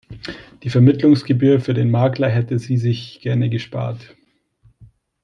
Die Vermittlungsgebühr für den Makler hätte sie sich gerne gespart.